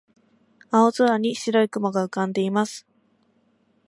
青空に白い雲が浮かんでいます。